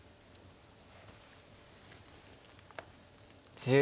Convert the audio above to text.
１０秒。